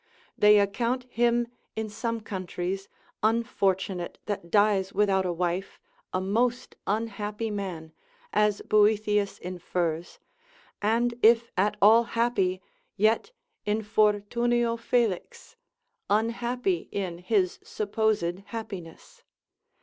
They account him, in some countries, unfortunate that dies without a wife, a most unhappy man, as Boethius infers, and if at all happy, yet infortunio felix, unhappy in his supposed happiness.